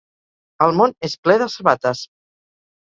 El món és ple de sabates.